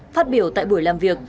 phát biểu tại buổi làm việc